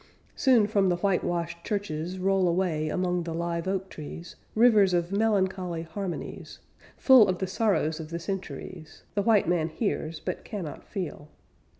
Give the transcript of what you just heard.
Soon from the whitewashed churches roll away Among the live oak trees, Rivers of melancholy harmonies, Full of the sorrows of the centuries The white man hears, but cannot feel.